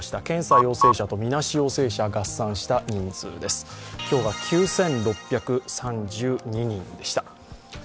検査陽性者とみなし陽性者、合算した人数です、今日は９６３２人でした。